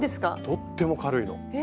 とっても軽いの。